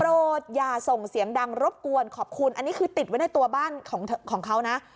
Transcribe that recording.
อย่าส่งเสียงดังรบกวนขอบคุณอันนี้คือติดไว้ในตัวบ้านของเขานะ